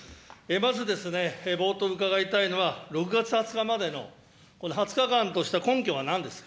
まず冒頭伺いたいのは、６月２０日までの、この２０日間とした根拠はなんですか。